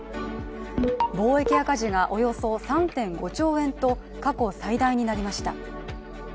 貿易赤字がおよそ３．５兆円と過去最大になりました。